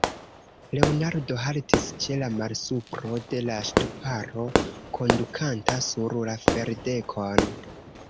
Leonardo haltis ĉe la malsupro de la ŝtuparo, kondukanta sur la ferdekon.